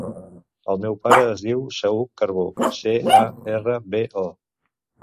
El meu pare es diu Saüc Carbo: ce, a, erra, be, o.